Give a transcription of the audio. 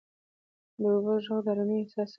• د اوبو ږغ د آرامۍ احساس ورکوي.